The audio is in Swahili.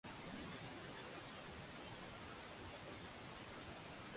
Serikali inaendelea kujaribu kuifanya nchi hiyo kuwa na maji safi